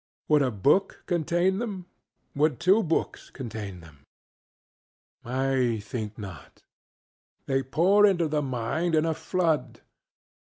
Would a book contain them? Would two books contain them? I think not. They pour into the mind in a flood.